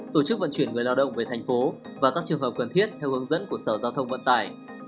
tổ chức vận chuyển người lao động về thành phố và các trường hợp cần thiết theo hướng dẫn của sở giao thông vận tải